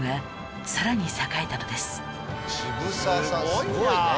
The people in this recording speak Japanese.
すごいね。